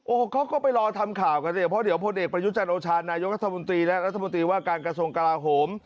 โอ้โหเขาก็ไปรอทำข่าวกันเนี่ยเพราะเดี๋ยวพลเอกประยุจันทร์โอชานายกรัฐมนตรีและรัฐมนตรีว่าการกระทรวงกลาโหม